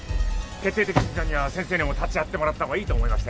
決定的瞬間には先生にも立ち会ってもらった方がいいと思いましてね。